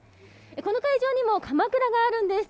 この会場にもかまくらがあるんです。